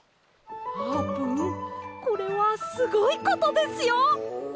あーぷんこれはすごいことですよ！